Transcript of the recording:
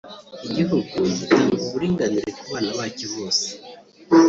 igihugu gitanga uburinganire ku bana bacyo bose